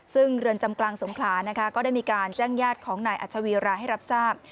ซึ่งเรือนจำกลางสงขลานะคะก็ได้มีการแจ้งญาติของนายอัชวีราให้รับทราบ